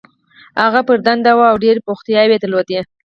هغه پر دنده وه او ډېرې بوختیاوې یې درلودې.